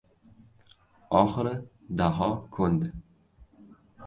Oxiri Daho ko‘ndi.